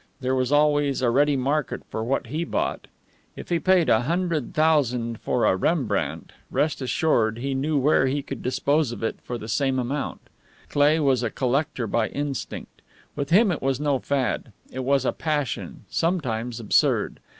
There was always a ready market for what he bought. If he paid a hundred thousand for a Rembrandt, rest assured he knew where he could dispose of it for the same amount. Cleigh was a collector by instinct. With him it was no fad; it was a passion, sometimes absurd.